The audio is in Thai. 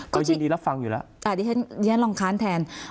ก็ยินดีรับฟังอยู่แล้ว